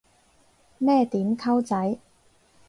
咩點溝仔